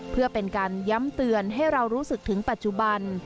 เพื่อเป็นการย้ำเตือนให้เรารู้สึกถึงปัจจุบัน